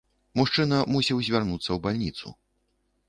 Мужчына мусіў звярнуцца ў бальніцу.